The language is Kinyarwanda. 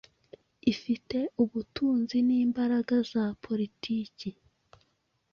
ifite ubutunzi n’imbaraga za Politiki